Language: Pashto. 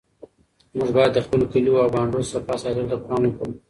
موږ باید د خپلو کلیو او بانډو صفا ساتلو ته پام وکړو.